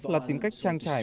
là tìm cách trang trải